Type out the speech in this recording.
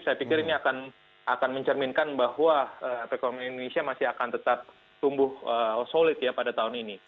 saya pikir ini akan mencerminkan bahwa ekonomi indonesia masih akan tetap tumbuh solid ya pada tahun ini